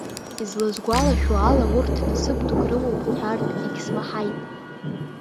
Изласгәалашәо ала, урҭ насыԥ дук рымоуп уҳәартә егьсмаҳаит.